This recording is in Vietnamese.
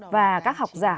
và các học giả